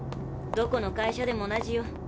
どこの会社でも同じよ。